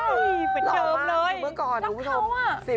เหลือเกินเลยรักเขาอะ